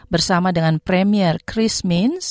bersama dengan premier chris mins